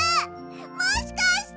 もしかして！